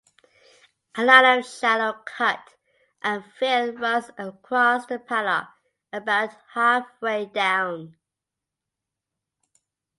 A line of shallow cut and fill runs across the Paddock about halfway down.